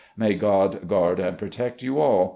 May God guard and protect you all.